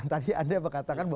tadi anda mengatakan